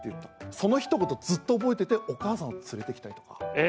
そのひと言ずっと覚えててお母さんを連れてきたいとか。